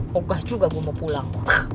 pogah juga gue mau pulang